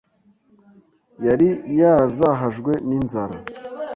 Yari yarazahajwe n’inzara